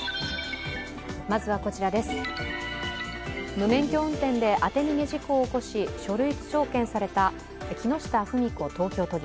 無免許運転で当て逃げ事故を起こし、書類送検された木下富美子東京都議。